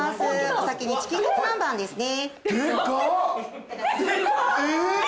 お先にチキンカツ南蛮ですね。